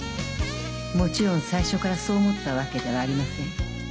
もちろん最初からそう思ったわけではありません。